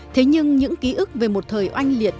thế nhưng những ký ức về một thời oanh liệt